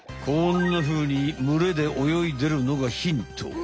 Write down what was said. こんなふうに群れで泳いでるのがヒント。